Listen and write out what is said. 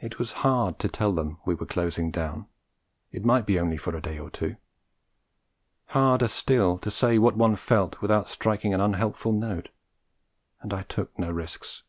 It was hard to tell them we were closing down, it might be only for a day or two; harder still to say what one felt without striking an unhelpful note; and I took no risks.